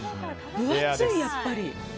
分厚い、やっぱり。